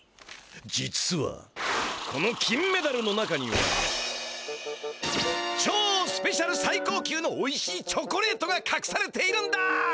実はこの金メダルの中にはちょうスペシャルさいこう級のおいしいチョコレートがかくされているんだ！